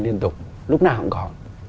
liên tục lúc nào cũng có